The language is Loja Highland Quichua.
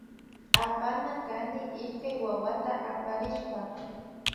Apana kany ishkay wawata aparishpa.